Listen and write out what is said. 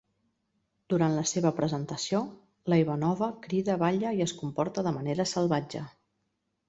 Durant la seva "presentació", la Ivanova crida, balla i es comporta de manera salvatge.